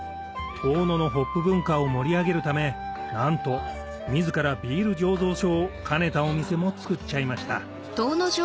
遠野のホップ文化を盛り上げるためなんと自らビール醸造所を兼ねたお店も造っちゃいました